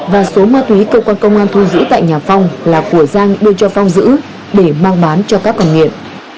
và số ma túy cơ quan công an thu giữ tại nhà phong là của giang đưa cho phong giữ để mang bán cho các con nghiện